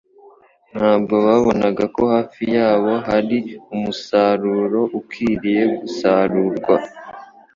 Ntabwo babonaga ko hafi yabo hari umusaruro ukwiriye gusarurwa